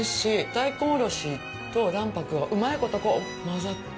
大根おろしと卵白がうまいことまざって